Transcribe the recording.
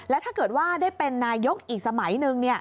แล้วถ้าเกิดว่าได้เป็นนายกอีกสมัยหนึ่ง